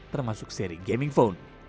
termasuk seri gaming phone